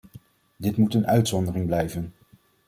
Dit moet een uitzondering blijven.